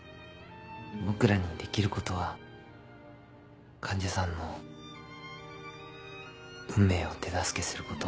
僕らにできることは患者さんの運命を手助けすること。